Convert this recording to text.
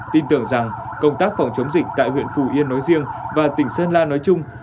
tin tưởng rằng công tác phòng chống dịch tại huyện phù yên nói riêng và tỉnh sơn la nói chung